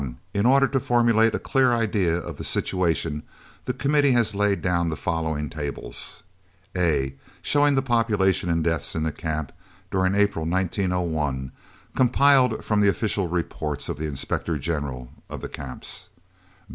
In order to formulate a clear idea of the situation the Committee has laid down the following tables: (a) Showing the population and deaths in the Camps during April 1901, compiled from the official reports of the Inspector General of the Camps.